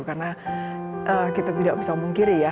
karena kita tidak bisa umpung kiri ya